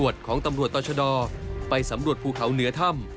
ตำรวจของตำรวจต่อชะดอไปสำรวจภูเขาเหนือถ้ำ